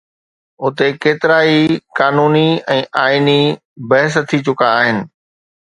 اتي ڪيترائي قانوني ۽ آئيني بحث ٿي چڪا آهن.